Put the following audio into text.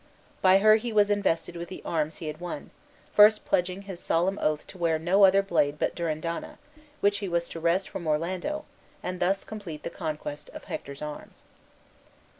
By her he was invested with the arms he had won, first pledging his solemn oath to wear no other blade but Durindana, which he was to wrest from Orlando, and thus complete the conquest of Hector's arms.